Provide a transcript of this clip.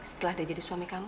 setelah dia jadi suami kamu